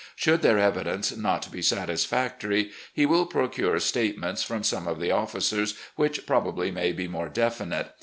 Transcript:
Should their evidence not be satisfactory, he will procure state ments from some of the officers, which probably may be more definite.